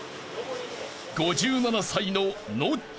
［５７歳のノッチ］